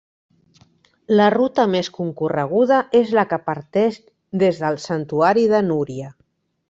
La ruta més concorreguda és la que parteix des del santuari de Núria.